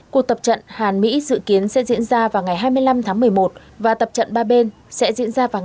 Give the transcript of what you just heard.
cuộc tập trận hàn mỹ dự kiến sẽ diễn ra vào ngày hai mươi năm tháng một mươi một và tập trận ba bên sẽ diễn ra vào ngày hai mươi sáu tháng một mươi một